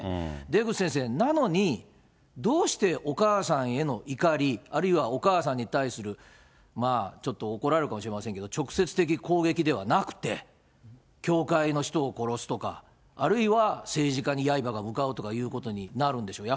出口先生、なのにどうしてお母さんへの怒り、あるいはお母さんに対するちょっと怒られるかもしれませんけど、直接的攻撃ではなくて、教会の人を殺すとか、あるいは政治家に刃が向かうということになるんでしょう。